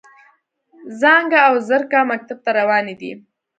څانګه او زرکه مکتب ته روانې دي.